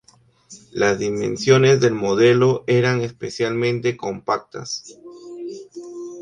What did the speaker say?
Las dimensiones del modelo eran especialmente compactas.